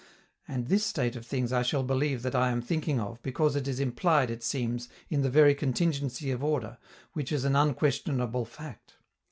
And this state of things I shall believe that I am thinking of, because it is implied, it seems, in the very contingency of order, which is an unquestionable fact.